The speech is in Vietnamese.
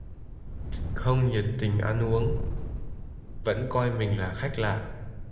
Không thiệt tình ăn uống, vẫn coi mình là khách lạ